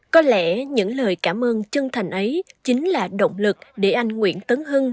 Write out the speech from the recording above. có lẽ những lời cảm ơn chân thành ấy chính là động lực để anh nguyễn tấn hưng